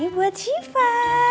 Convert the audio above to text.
ini buat syifa